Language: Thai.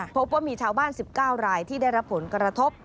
พบว่ามีชาวบ้าน๑๙รายที่ได้รับผลกระทบ